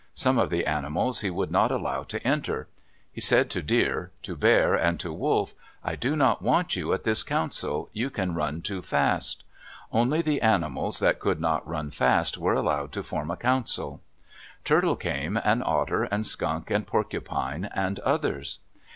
Some of the animals he would not allow to enter. He said to Deer, to Bear, and to Wolf, "I do not want you at this council. You can run too fast." Only the animals that could not run fast were allowed to form a council. Turtle came, and Otter and Skunk and Porcupine and others.